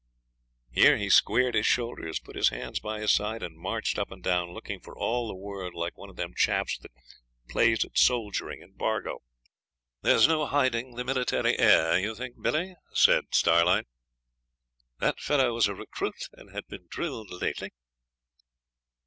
Here he squared his shoulders, put his hands by his side, and marched up and down, looking for all the world like one of them chaps that played at soldiering in Bargo. 'There's no hiding the military air, you think, Billy?' said Starlight. 'That fellow was a recruit, and had been drilled lately.'